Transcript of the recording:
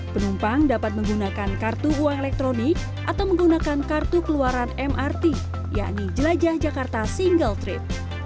penumpang dapat menggunakan kartu uang elektronik atau menggunakan kartu keluaran mrt yakni jelajah jakarta single trip